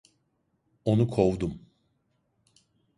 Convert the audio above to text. Onu kovdum.